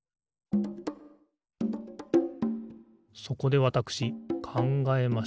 そこでわたくしかんがえました。